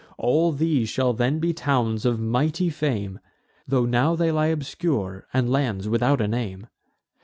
All these shall then be towns of mighty fame, Tho' now they lie obscure, and lands without a name.